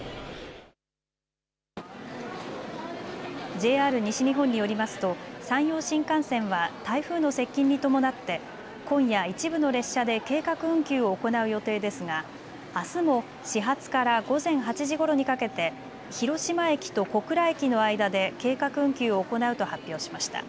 ＪＲ西日本によりますと山陽新幹線は台風の接近に伴って今夜、一部の列車で計画運休を行う予定ですが、あすも始発から午前８時ごろにかけて広島駅と小倉駅の間で計画運休を行うと発表しました。